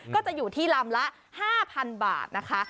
ก็จะอยู่ที่ลำละ๕๐๐๐บาทนะคะ